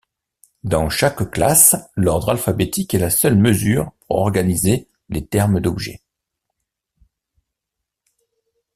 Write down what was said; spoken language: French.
Dans chaque classe, l’ordre alphabétique est la seule mesure pour organiser les termes d’objet.